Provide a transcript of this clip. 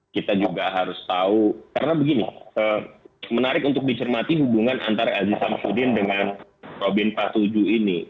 kita juga harus tahu karena begini menarik untuk dicermati hubungan antara aziz samsudin dengan robin patuju ini